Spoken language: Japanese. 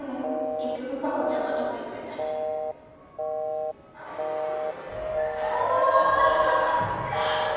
結局果帆ちゃんが取ってくれたしおお！